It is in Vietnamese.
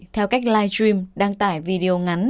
theo cách live stream đăng tải video ngắn